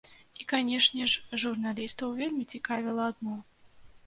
І, канешне ж, журналістаў вельмі цікавіла адно.